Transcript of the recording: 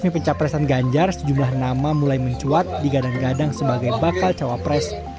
kepastian porongnya juga biasanya gerangkan qued angkot tersedek dan adalah garung asrol